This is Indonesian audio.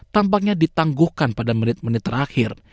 tampaknya ditangguhkan pada menit menit terakhir